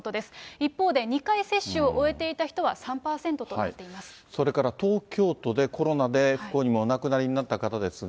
一方で、２回接種を終えていた人それから東京都で、コロナで不幸にもお亡くなりになった方ですが。